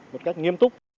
một cách nghiêm túc